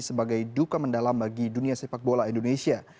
sebagai duka mendalam bagi dunia sepak bola indonesia